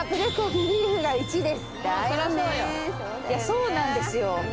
そうなんですよ。